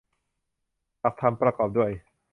หลักธรรมประกอบด้วย